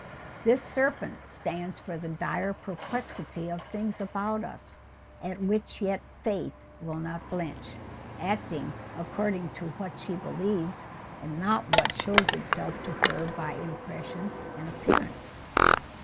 This serpent stands for the dire perplexity of things about us, at which yet Faith will not blench, acting according to what she believes, and not what shows itself to her by impression and appearance."